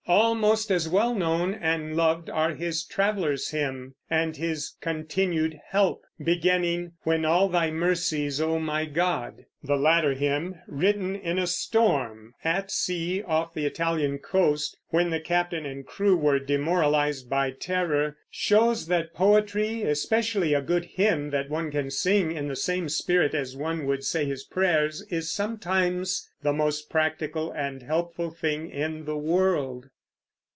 Almost as well known and loved are his "Traveler's Hymn," and his "Continued Help," beginning, "When all thy mercies, O my God." The latter hymn written in a storm at sea off the Italian coast, when the captain and crew were demoralized by terror shows that poetry, especially a good hymn that one can sing in the same spirit as one would say his prayers, is sometimes the most practical and helpful thing in the world.